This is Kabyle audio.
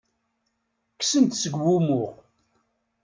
Kksen-t seg wumuɣ.